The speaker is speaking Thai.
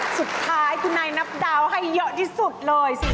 สุดท้ายคุณนายนับดาวน์ให้เยอะที่สุดเลย